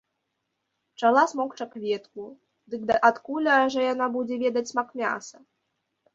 Пчала смокча кветку, дык адкуль жа яна будзе ведаць смак мяса?